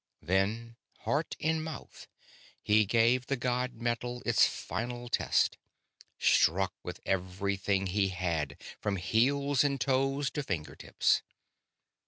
Then, heart in mouth, he gave the god metal its final test; struck with everything he had, from heels and toes to finger tips.